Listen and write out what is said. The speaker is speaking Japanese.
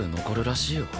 残るらしいよ。